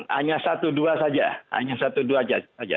hanya satu dua saja